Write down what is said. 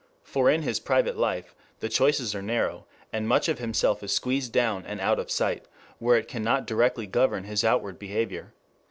For in his private life the choices are narrow, and much of himself is squeezed down and out of sight where it cannot directly govern his outward behavior.